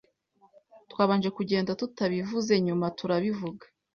Twabanje kugenda tutabivuze nyuma turabivuga